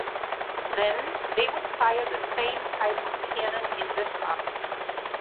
Then they would fire the same type of cannon in response.